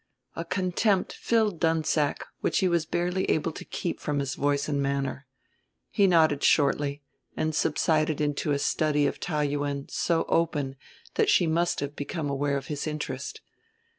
A contempt filled Dunsack which he was barely able to keep from his voice and manner. He nodded shortly, and subsided into a study of Taou Yuen so open that she must have become aware of his interest.